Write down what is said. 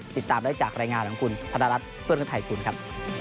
ติดตามได้จากรายงานของคุณพระรัตน์เซิร์ตนไทยคุณครับ